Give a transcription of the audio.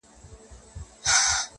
په ځنګلونو کي یې نسل ور پایمال که!